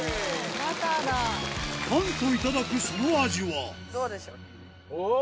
パンといただくその味はどうでしょう？